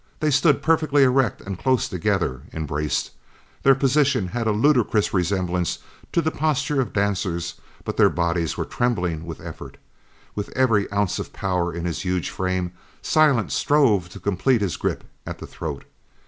They stood perfectly erect and close together, embraced. Their position had a ludicrous resemblance to the posture of dancers, but their bodies were trembling with effort. With every ounce of power in his huge frame Silent strove to complete his grip at the throat.